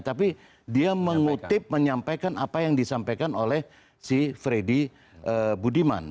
tapi dia mengutip menyampaikan apa yang disampaikan oleh si freddy budiman